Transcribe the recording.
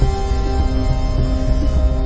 เพราะต้องขับหนีไม่ได้เลย